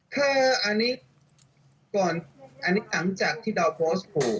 คืออันนี้ก่อนอันนี้หลังจากที่เราโพสต์ขู่